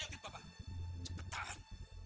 di mana ibu udah copper dua